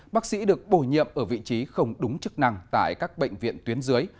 bác sĩ được bổ nhiệm ở vị trí không đúng chức năng tại các bệnh viện tuyến dưới